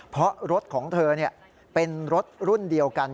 เพราะรถของเธอเป็นรถรุ่นเดียวกัน